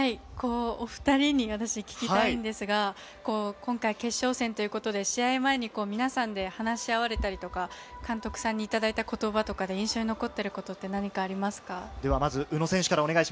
お２人に聞きたいんですが、今回、決勝戦ということで、試合前に皆さんで話し合われたり、監督さんにいただいた言葉とかで印象に残っていることは何かありますか？